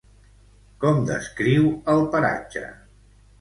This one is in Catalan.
Com descriu el paratge?